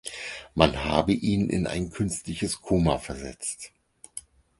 Man habe ihn in ein künstliches Koma versetzt.